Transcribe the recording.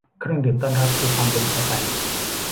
เครื่องดื่มต้อนรับคือความพึงพอใจ